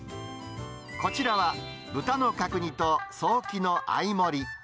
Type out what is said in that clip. こちらは、豚の角煮とソーキの合盛り。